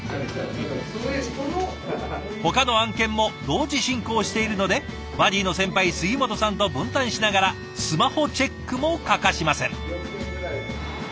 ほかの案件も同時進行しているのでバディの先輩杉本さんと分担しながらスマホチェックも欠かしません。